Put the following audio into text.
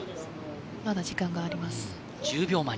まだ時間があります。